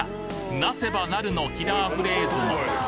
「なせば成る」のキラーフレーズも！